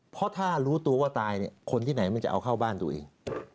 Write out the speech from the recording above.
เพราะถ้ารู้ตัวว่าตายเนี่ยคนที่ไหนมันจะเอาเข้าบ้านตัวเอง